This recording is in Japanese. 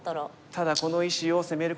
ただこの石を攻めることで。